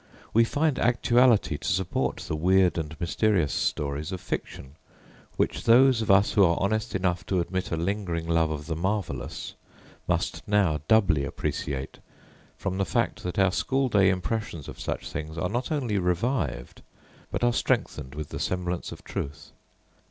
We find actuality to support the weird and mysterious stories of fiction, which those of us who are honest enough to admit a lingering love of the marvellous must now doubly appreciate, from the fact that our school day impressions of such things are not only revived, but are strengthened with the semblance of truth.